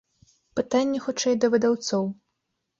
Пытанне хутчэй да выдаўцоў.